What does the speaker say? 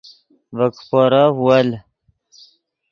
ڤے کیپورف ول